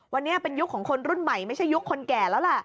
วันนี้เป็นยุคของคนรุ่นใหม่ไม่ใช่ยุคคนแก่แล้วล่ะ